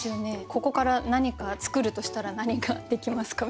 ここから何か作るとしたら何ができますか？